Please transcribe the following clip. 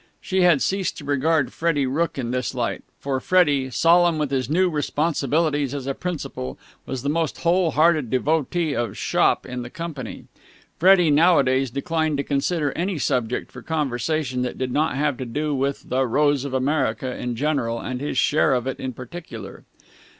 She had ceased to regard Freddie Rooke in this light; for Freddie, solemn with his new responsibilities as a principal, was the most whole hearted devotee of "shop" in the company. Freddie nowadays declined to consider any subject for conversation that did not have to do with "The Rose of America" in general and his share in it in particular.